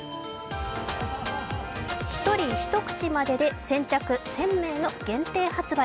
１人１口までで先着１０００名までの限定発売。